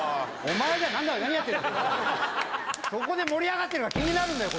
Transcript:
そこで盛り上がってるから気になるんだよ